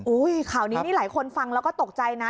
อุ๊ยข่าวนี้หลายคนฟังแล้วก็ตกใจนะ